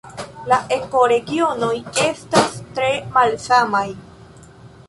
La ekoregionoj estas tre malsamaj.